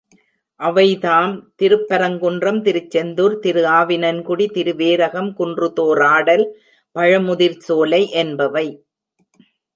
அவைதாம் திருப்பரங்குன்றம், திருச்செந்தூர், திருஆவினன்குடி, திருவேரகம், குன்றுதோறாடல், பழமுதிர்சோலை என்பவை.